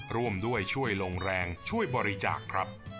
ร่วมด้วยช่วยลงแรงช่วยบริจาคครับ